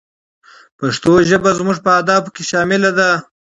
پښتو ژبه زموږ په اهدافو کې شامله ده.